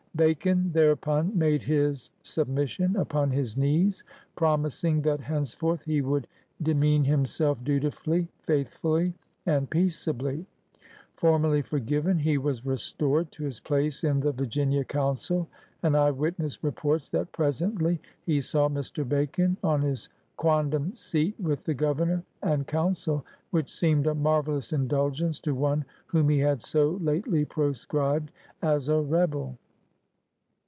Bacon thereupon made his submission upon his knees, promising that henceforth he would ^Me mean himself dutifully, faithfully, and peaceably.'' Formally forgiven, he was restored to his place in the Virginia Council. An eye witness reports that presently he saw ^^Mr. Bacon on his quondam seat with the Governor and Council, which seemed a marvellous indulgence to one whom he had so lately proscribed as a rebel."